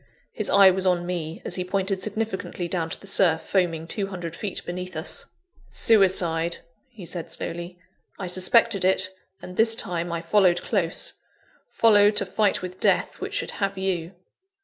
His eye was on me, as he pointed significantly down to the surf foaming two hundred feet beneath us. "Suicide!" he said slowly "I suspected it, and, this time, I followed close: followed, to fight with death, which should have you."